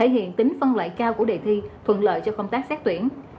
điện tính phân loại cao của đệ thi thuận lợi cho công tác xét tuyển